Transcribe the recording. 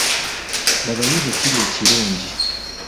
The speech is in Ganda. Labayo bwe kiri ekirungi.